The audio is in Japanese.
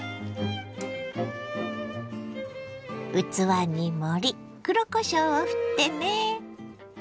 器に盛り黒こしょうをふってね。